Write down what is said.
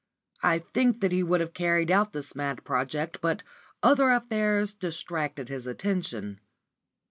I think that he would have carried out this mad project, but other affairs distracted his attention.